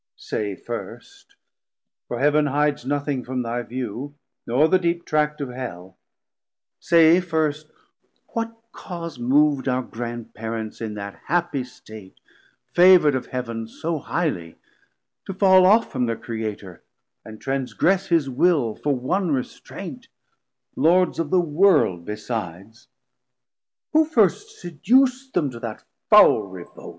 Say first, for Heav'n hides nothing from thy view Nor the deep Tract of Hell, say first what cause Mov'd our Grand Parents in that happy State, Favour'd of Heav'n so highly, to fall off 30 From their Creator, and transgress his Will For one restraint, Lords of the World besides? Who first seduc'd them to that fowl revolt?